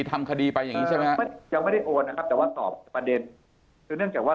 ทำคดีไปอย่างนี้ใช่ไหมครับยังไม่ได้โอนนะครับแต่ว่าตอบประเด็นคือเนื่องจากว่า